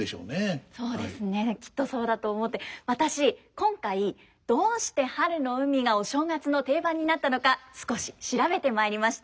今回どうして「春の海」がお正月の定番になったのか少し調べてまいりました。